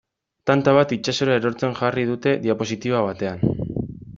Tanta bat itsasora erortzen jarri dute diapositiba batean.